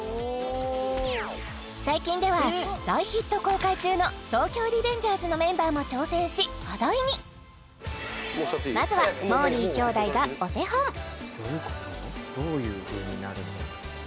最近では大ヒット公開中の「東京リベンジャーズ」のメンバーも挑戦し話題にまずはもーりー兄弟がお手本おお！